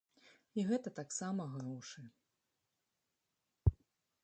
І гэта таксама грошы.